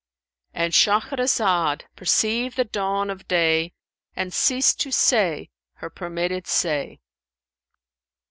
"—And Shahrazad perceived the dawn of day and ceased to say her permitted say.